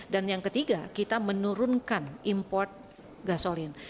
dan yang ketiga kita menurunkan import gasolin